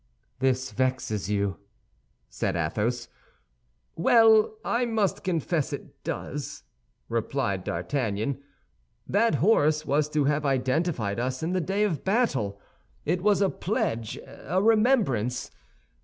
"This vexes you?" said Athos. "Well, I must confess it does," replied D'Artagnan. "That horse was to have identified us in the day of battle. It was a pledge, a remembrance.